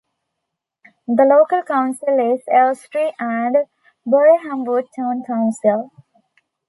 The local council is Elstree and Borehamwood Town Council.